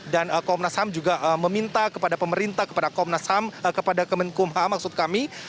dan komnas ham juga meminta kepada pemerintah kepada komnas ham kepada kemenkum ham maksud kami